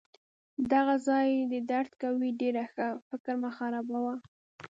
دغه ځای دي درد کوي؟ ډیر ښه! فکر مه خرابوه.